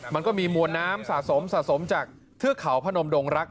มันก็มีมวลน้ำสะสมสะสมจากเทือกเขาพนมดงรัก